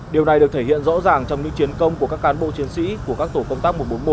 điều này được thể hiện rõ ràng trong những chiến công của các cán bộ chiến sĩ của các tổ công tác một trăm bốn mươi một